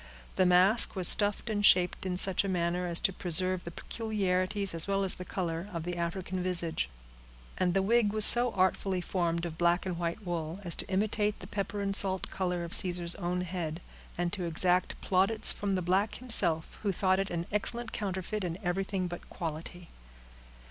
The mask was stuffed and shaped in such a manner as to preserve the peculiarities, as well as the color, of the African visage; and the wig was so artfully formed of black and white wool, as to imitate the pepper and salt color of Caesar's own head, and to exact plaudits from the black himself, who thought it an excellent counterfeit in everything but quality.